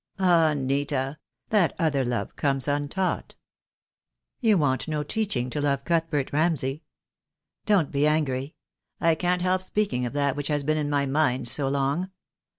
"Ah, Nita, that other love comes untaught. You want no teaching to love Cuthbert Ramsay. Don't be angry! I can't help speaking of that which has been in my mind so long.